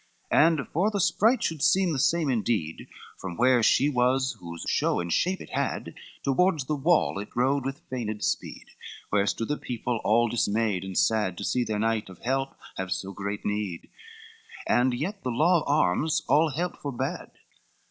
C And for the spirit should seem the same indeed, From where she was whose show and shape it had, Toward the wall it rode with feigned speed, Where stood the people all dismayed and sad, To see their knight of help have so great need, And yet the law of arms all help forbad.